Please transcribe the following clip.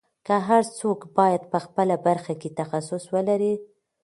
هر څوک باید په خپله برخه کې تخصص ولري.